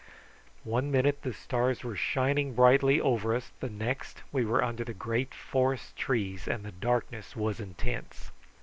One minute the stars were shining brightly over us, the next we were under the great forest trees, and the darkness was intense.